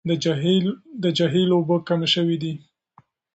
د جهيل اوبه کمې شوې دي.